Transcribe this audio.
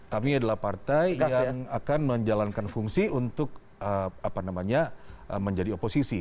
kami adalah partai yang akan menjalankan fungsi untuk menjadi oposisi